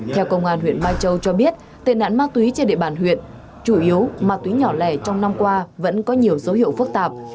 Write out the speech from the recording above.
theo công an huyện mai châu cho biết tệ nạn ma túy trên địa bàn huyện chủ yếu ma túy nhỏ lẻ trong năm qua vẫn có nhiều dấu hiệu phức tạp